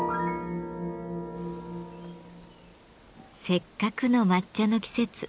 せっかくの抹茶の季節。